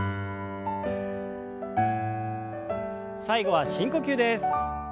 最後は深呼吸です。